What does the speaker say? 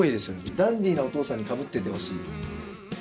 ダンディーなお父さんにかぶっててほしい。